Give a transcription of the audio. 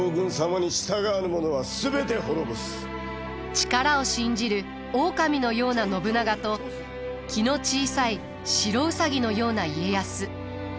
力を信じる狼のような信長と気の小さい白兎のような家康。